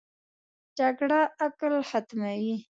جګړه عقل ختموي